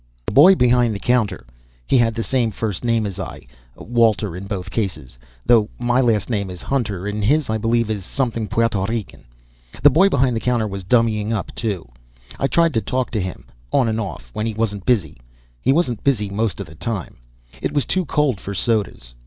The boy behind the counter he had the same first name as I, Walter in both cases, though my last name is Hutner and his is, I believe, something Puerto Rican the boy behind the counter was dummying up, too. I tried to talk to him, on and off, when he wasn't busy. He wasn't busy most of the time; it was too cold for sodas.